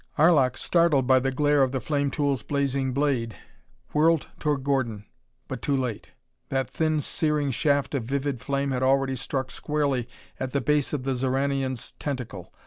Arlok, startled by the glare of the flame tool's blazing blade, whirled toward Gordon but too late. That thin searing shaft of vivid flame had already struck squarely at the base of the Xoranian's tentacle.